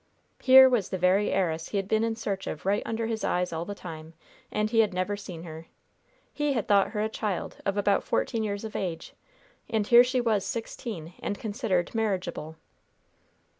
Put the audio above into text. Here was the very heiress he had been in search of right under his eyes all the time, and he had never seen her. He had thought her a child of about fourteen years of age, and here she was sixteen, and considered marriageable.